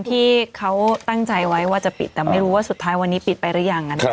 ที่เขาตั้งใจไว้ว่าจะปิดแต่ไม่รู้ว่าสุดท้ายวันนี้ปิดไปหรือยัง